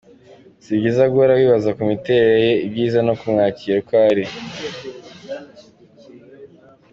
Si byiza guhora wibaza ku miterere ye, ibyiza ni ukumwakira uko ari.